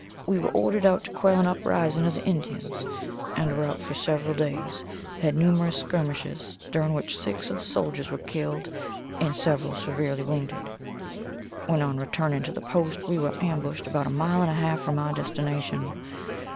We were ordered out to quell an uprising of the Indians, and were out for several days, had numerous skirmishes during which six of the soldiers were killed and several severely wounded. When on returning to the Post we were ambushed about a mile and a half from our destination.